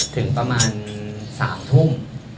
ถึงประมาณ๓ทุ่ม